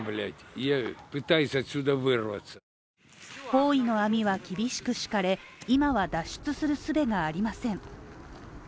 包囲の網は厳しく敷かれ今は脱出する術がありません。